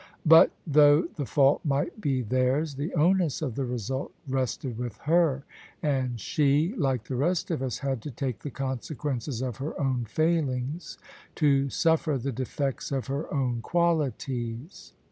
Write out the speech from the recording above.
But, though the fault might be theirs, the onus of the result rested with her: and she, like the rest of us, had to take the consequences of her own failings — to suffer the defects of her own qualities.